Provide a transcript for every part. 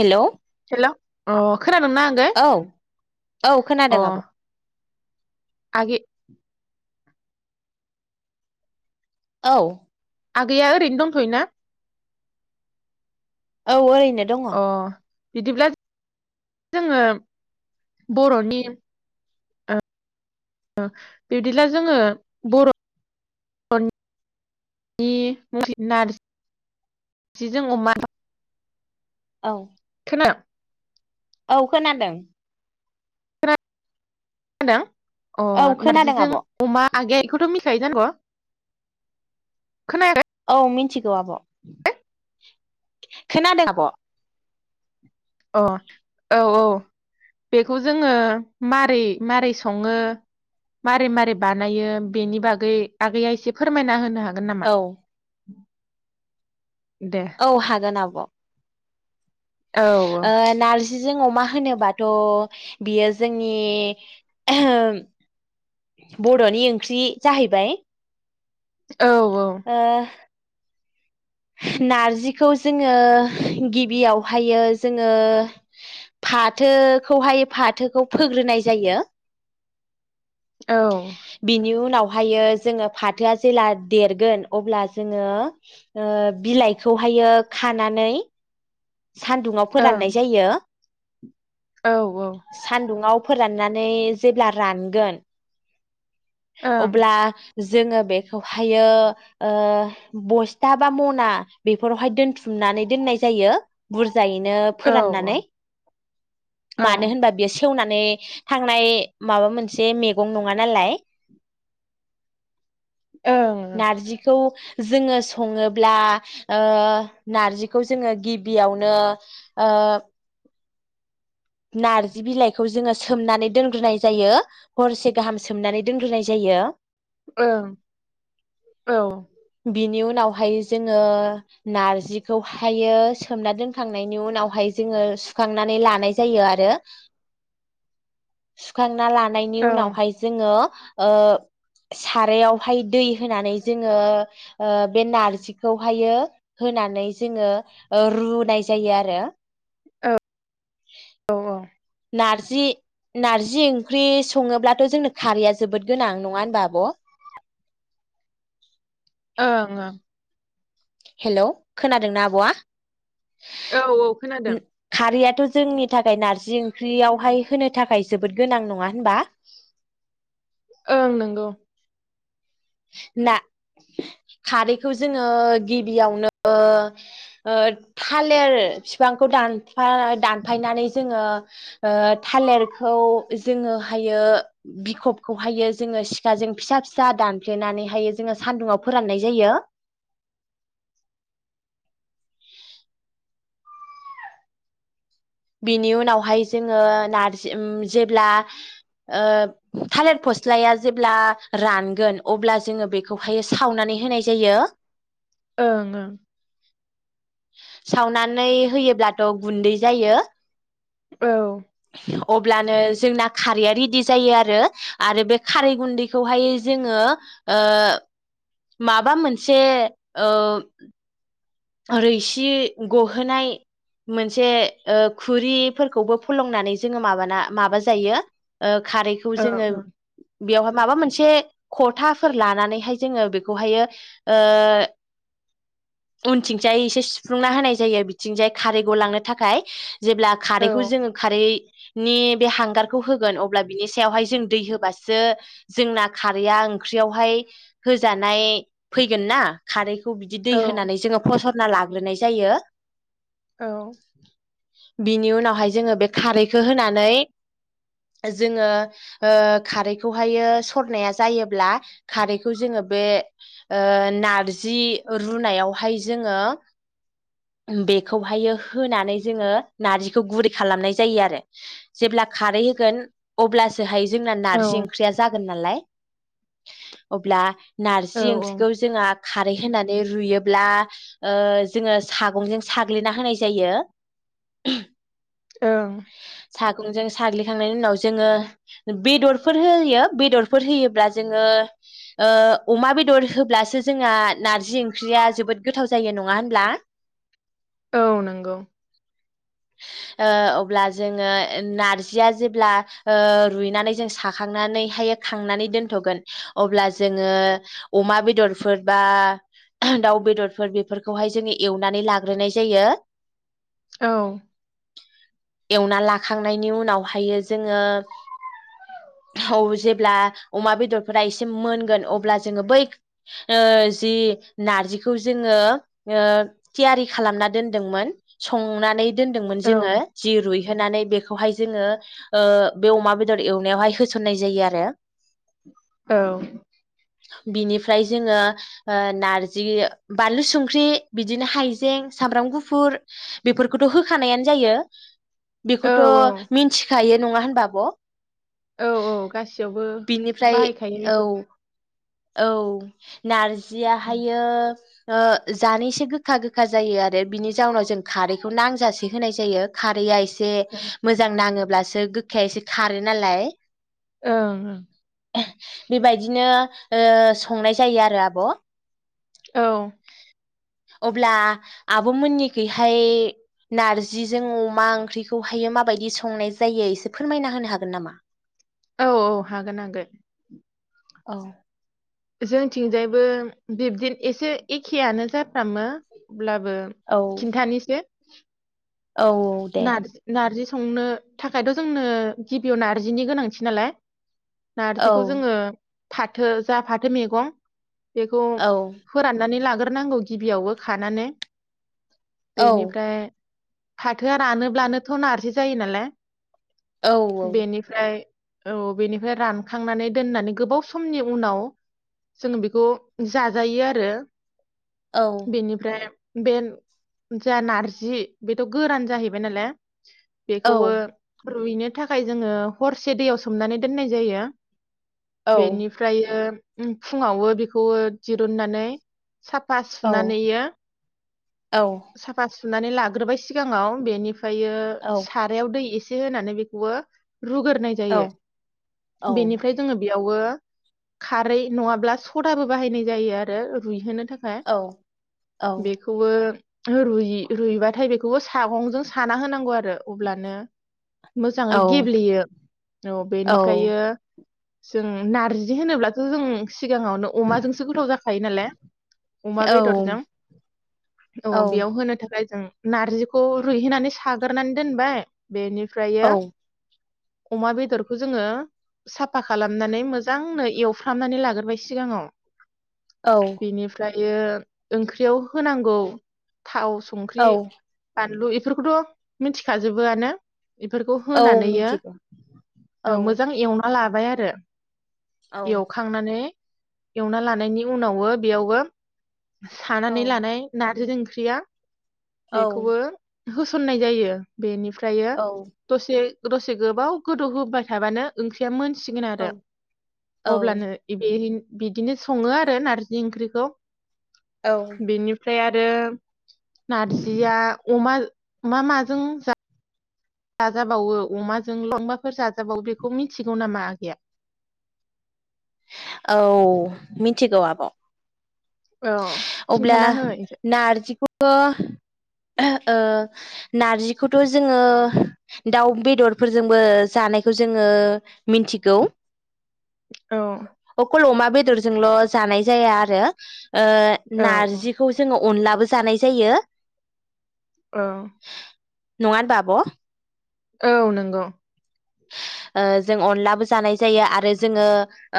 [inaudible] Hello औ औ औ खोनादों आब' आगि औ आगैया ओरैनो दंथ'योना? औ ओरैनो दङ अ बिदिब्ला जोङो बर'नि ओ बिबदिब्ला जोङो बर'नि नारजि नारजिजों अमा औ [unintelligible] खोनादों मा होनदों? अ औ खोनादों नारजिजों आब' अमा आगैया एखौथ' मिथिखायो जानांगौ खोनाया औ मिथिगौ आब, ' खोनादों आब' अ औ औ बेखौ जोङो मारै-मारै सङो, मारै-मारै बानायो बेनि बागै आगैया एसे फोरमायना होनो हागोन? हागोन नामा? दे औ हागोन आब' औ ओ नारजि जोंअमा होनोबाथ' बियो जोंनि बर'नि ओम ओंख्रि जाहैबाय औ ओ नारजिखौ जोङो गिबियावहायो जोङो फाथोखौहाय फाथोखौ फोग्रोनाय जायो औ ओं बिनि उनाव हायो जोङो फाथोआ जेब्ला देरगोन अब्ला जोङो बिलाइखौहायो खानानै सानदुङाव फोराननाय जायो‌। औ औ सान्दुंङाव फोराननानै जेब्ला रानगोन ओं अब्ला जोङो बेखौहायो ओ बस्था बा मना बेफोरावहाय दोनथुमनानै दोननाय जायो। बुरज मोजायैनो औ फोराननानै औ मानो होनबा बे सेवनानै थांनाय माबा मोनसे मैगं नङा नालाय। औ नारजिखौ जोङो सङोब्ला ओ नारजिखौ जोङो गिब बेयावनो ओ नार्जि बिलाइखौ जोङो सोमनानै दोनग्रोनाय जायो हरसे गाहाम सोमनानै दोनग्रोनाय जायो। ओं औ नावहाय जोङो नारजिखौ हायो सोमना दोनखांनायनि उनावहाय जोङो सुखांनानै लानाय यो आरो सुखां लानायनि ओं औ उनावहाय जोङो ओ सारायावहाय दै होनानै जोङो ओ बे नारजिखौहायो होनानै जोङो ओ रुनाय जायो आरो। औ औ औ नारजि नारजि ओंख्रि सङोब्लाथ' जोंनो खारैया जोबोद गोनां नङा होनबा आब'? ओं‌ ओं हेलौ खोनादोंना आब'आ? औ औ खोनादों। खारैयाथ' जोंनि थाखाय नारजि ओंख्रियावहाय होनो थाखाय जोबोद गोनां नङा होनबा? ओं नंगौ। ना खारैखौ जोङो गिबियावनो ओ थालेर बिफांखौ दान बा दानफायनानै जोङो ओ थालिरखौ जोङोहायो बिखबखौहायो जोङो सिखाजों फिसा फिसा दान फ्लेनानै हायो जोङो सान्दुुंङाव फोराननाय जायो। बिनि उनावहाय जोङो नारजि ओम जेब्ला ओ थालिर फस्लाया जेब्ला रानगोन अब्ला जोङो बेखौहाय सावनानै होनाय जायो। ओं ओं‌। सावनानै होयोब्लाथ' गुन्दै जायो। औ अब्लानो जोंना खारैया रेदि जायो आरो आरो बे खारै गुन्दैखौहाय जोङो ओ माबा मोनसे ओ रैसि गहोनाय मोनसे ओ खुरैफोरखौबो फलंनानै जोङो माबाना माबा जायो ओ खारैखौ जोङो ओं बेयाव माबा मोनसे खलथाफोर लानानैहाय जोङो बेखौहायो ओ उनथिंजाय एसे सुफ्लुंना होनाय जायो बिथिंजाय खारै गलांनो थाखाय। जेब्ला खारैखौ जोङो खारै नि बे हांगारखौ होगोन अब्ला बिनि सायावहाय जों दै होबासो जोंना खारैआ ओंख्रियावहाय होजानाय फैगोन ना खारैखौ ओं औ होनानै जोङो फसद ना लाग्रोनाय जायो औ बिनि उनावहाय जोङो बे खारैखौ होनानै जोङो खारैखौहायो सरनाया जायोब्ला खारैखौ जोङो बे ओ नारजि रुनायावहाय जोङो बेखौहायो होनानै जोङो नारजिखौ गुरै खालामनाय जायो आरो जेब्ला खारै होगोन अब्लासोहाय जोंना नारजि ओंख्रिया जागोन नालाय अब्ला औ नारजि ओंख्रिखौ जोंहा खारै होना नै रुयोब्ला जोङो सागंजों साग्लिना होनाय जायो ओं सागंजों साग्लिखांनायनि उनाव जोङो बेदरफोर होयो बेदरफोर होयोब्ला जोङो अमा बेदर होब्लासो जोंहा नारज जि ओंख्रिया जोबोद गोथाव जायो नङा होनब्ला औ नंगौ अब्ला जोङो नारजिया जेब्ला रुइनानै जों साखांनानैहाय खांनानै दोनथ'गोन अब्ला जोङो अमा बेदरफोर बा दाउ बेदरफोर बेफोरखौहाय जोङो एवनानै लाग्रोनाय जायो औ एवना लाखांनायनि उनावहायो जोङो औ जेब्ला अमा बेदरफोरा एसे मोनगोन अब्ला जोङो बै जि नारजिखौ जोङो थियारि खालामना दोनदोंमोन संनानै दोनदोंमोन औ जोङो जिरुइ होनानै बेखौहाय जोङो बे अमा बेदर एवनायावहाय होसननाय जायो आरो औ बिनिफ्राय जोङो ना जि बानलु संख्रि बिदिनो हाइजें सामब्राम गुफुर बेफोरखौथ' होखानायानो जायो औ बेखौथ' मिथिखायो नङा होनबा आब' औ औ गासैयावबो बिनिफ्राय बाहायखायो औ बेफोर औ नारजि फायो जानैसो गोखा गोखा जायो आरो बिनि जाउनाव जों खारैखौ नांजासे होनाय जायो खारैआ इस से ओं मोजां नाङो ब्लासो गोखाया एसे खारो नालाय ओं ओं बेबायदिनो संनाय जायो आरो आब' औ अब्ला आब' मोननिखैहाय नारजिजों अमा ओंख्रिखौहायो माबायदि संनाय जायो एसे फोरमायना होनो हागोन नामा औ औ हागोन हागोन औ जोंथिंजायबो बिबदि एसे एखेयानो जाफ्रामो अब्लाबो औ खिन्थानोसै। औ दे नार्ज नार्जि। संनो थाखायथ' जोंनो गिबियाव नार्जानि गोनांथि नालाय। औ नार्जिखौ जोङो। फाथो। जा फाथो मैेगं बेखौ औ औ फोराननानै लागोन। नांगौ गिबियावबो खानानै। औ बेनिफ्राय। फाथोआ रानोब्लानोथ' नारजि जायो नालाय। औ बेनिफ्राय। औ बेनिफ्राय रानखांनानै दोननानै गोबाव समनि। उनाव जोङो बेखौ जाजायो आरो। बेनिफ्राय। बे जा नारजि बेथ' गोरान जाहैबाय नालाय। औ बेखौबो रुइनो थाखाय जोङो हरसे दैयाव सोमनानै दोननाय जायो। औ। फ्रायो ओम फुङावबो बेखौ दिरुननानै। साफा औ सुनानैयो औ साफा। सुनानै लाग्रोबाय सिगाङाव बेनिफ फ्रायो औ सारायाव दै एसे। एसे होनानै बेखौबो रुग्रोनाय जायो औ औ बेनिफ्राय जोङो बेयावबो खारै नङाब्ला सदाबो बाहायनाय जायो आरो रुइहोनो। थाखाय औ औ बेखौबो ओहो रुयि रुयबाथाय बेखौबो सागंजों साना होनांगौ आरो अब्लानो। मोजाङै औ गेब्लेयो औ औ बेनिफ्रायो। जों नारजि जि बिदि होनोब्लाथ' जों। सिगाङावनो अमाजोंसो गोथाव जाखायो नालाय अमा बेदरजों औ बेयाव होनो थाखाय जों। नार्जिखौ रुइहोनानै साग्रोनानै दोनबाय। बेनिफ्रियो अमा बेदरखौ जोंङो साफा खालामनानै मोजां मोजांनो एवफ्रामनानै लाग्रोबाय सिगांआव। औ बेनिफ्राय। बेयो ओंख्रियाव होनांगौ। थाव संख्रि औ बानलु। फोरखौथ' मिथिखाजोबोआनो। बेफोरखौ औ होनानैयो मिथिगौ औ मोजां एवना ला बाय आरो। औ एवखांनानै एवना लानायनि उनावबो बेयावबो सानानै औ लानाय नारजिजों ख्रिया औ बेखौबो होसननाय जायो बेनि फ्रायो औ दसे। दसे गोबाव गोदौ होबाय थाबानो ओंख्रिया मोन सिगोन आरो। अब्लानो इदि [unintelligible] बिदिनो संङो आरो नारजि ओंख्रिखौ। औ बेनिफ्राय आ [unintelligible] नारजिया अमा मा माजों जा जाजाबावो अमाजों ल फोर जाजाबावो बेखौ मिथिगौ नामा आगैया औ मिथिगौ आब'। औ अब्ला खिन्थाना हो एसे नारजिखौथ ओ नारजिखौथ' जोंङो दाउ बेदरफोरजोंबो जानायखौ जोंङो मिथिगौ औ अखल अमा बे बेदरजोंल' जानाय जाया आरो। ओ औ नारजिखौ जोंङो। अनला बो जानाय जायो। अ। नङा होनबा आब'। औ नंगौ। ओ जों अनदलाबो जानाय जायो आरो जोंङो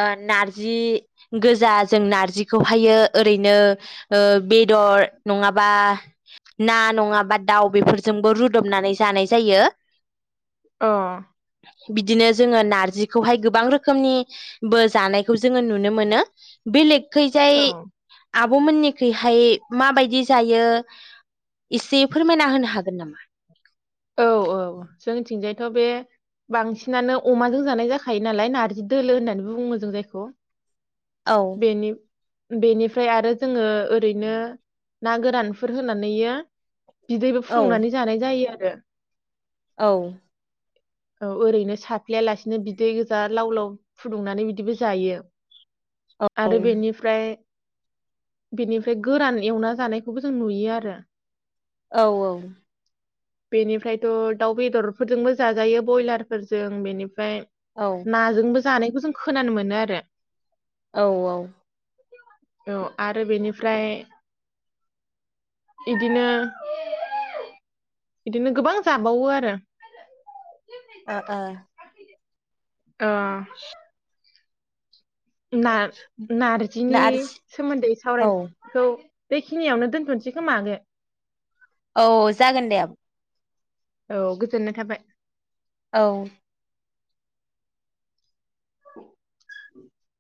ओ नारजि गोजा जों नारजिखौहायो ओरैनो ओ बेदर नंङाबा ना नंङाबा दाउ बेफोरजोंबो रुदबनानै जानाय जायो। अ। बिदिनो जोङो नारजिखौहाय गोबां रोखोमनिबो जानायखौ जोङो नुनो मोनो बेलेग। खैजाय औ आ आब'मोननिखैहाय माबायदि जायो एसे फोरमायना होनो हागोन नामा। औ औ जोंनिथिंजाय थ' बे बांसिनानो अमाजों जानाय जाखायो नालाय नार्जि दोलो होननानैबो बुङो जों जायखौ औ बेनि बेनिफ्राय आरो जोङो ओरैनो ना गोरानफोर होनानै। बिदैबो फुदुंनानै जानाय जायो आरो। [inaudible] औ। औ ओरैनो साफ्लयालासिनो बिदै गोजा लाव लाव फुदुंनानै बिदिबो जायो। औ आरो बेनिफ्राय। बेनिफ्राय गोरान एवना जानायखौबो जों नुयो आरो। औ औ। बेनिफ्रायथ' दाउ बेदरफोरजोंबो जाजायो ब्रयलारफोरजों बेनि ओमफ्राय औ नाजोंबो। जानायखौ जों खोनानो मोनो आरो। औ औ। औ आरो बेनिफ्राय बिदिनो। बिदिनो गोबां जाबावो आरो। ओ ओ। ओ। ना ना नारजिनि आरो सोमोन्दै औ सावरायखौ। बेखिनियावनो दोनथ'सै खोमा आगै। औ जागोन दे आब'। औ गोजोननाय थाबाय। औ।